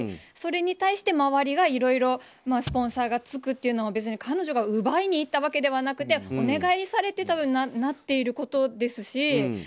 それに対して周りがいろいろスポンサーがつくというのも別に彼女が奪いにいったわけではなくてお願いされてなっていることですし。